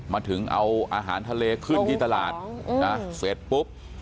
มาถึงเอาอาหารทะเลขึ้นที่ตลาดนะเสร็จปุ๊บ